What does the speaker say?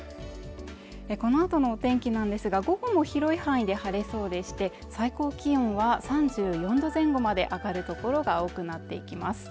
このあとのお天気なんですが午後も広い範囲で晴れそうでして最高気温は３４度前後まで上がる所が多くなっていきます